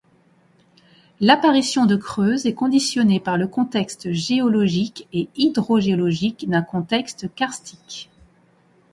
L'apparition de creuses est conditionnée par le contexte géologique et hydrogéologique d'un contexte karstique.